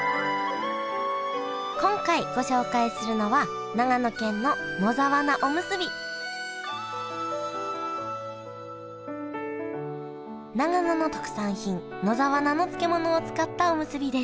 今回ご紹介するのは長野の特産品野沢菜の漬物を使ったおむすびです。